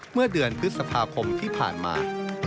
เมื่อเดือนพฤษภาคมที่ผ่านมา